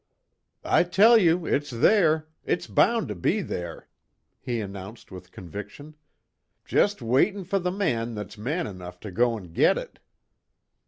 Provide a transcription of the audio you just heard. "I tell you it's there! It's bound to be there," he announced with conviction. "Just waitin' for the man that's man enough to go an' get it."